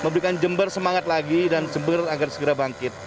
memberikan jember semangat lagi dan jember agar segera bangkit